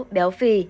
sáu béo phì